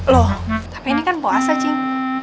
loh tapi ini kan puasa sih